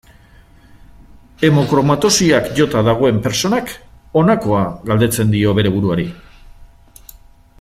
Hemokromatosiak jota dagoen pertsonak honakoa galdetzen dio bere buruari.